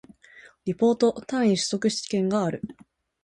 リポート、単位習得試験がある